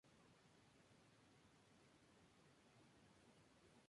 El cuello curvo no permitió que esto sucediera.